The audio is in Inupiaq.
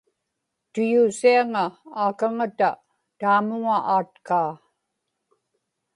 tuyuusiaŋa aakaŋata taamuŋa aatkaa